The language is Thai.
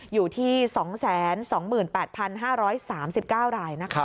อยู่ที่๒๒๘๕๓๙ราย